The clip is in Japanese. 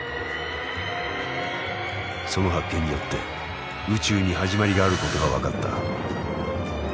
その発見によって宇宙に始まりがあることが分かった。